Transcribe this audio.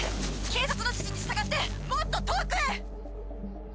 警察の指示に従ってもっと遠くへ！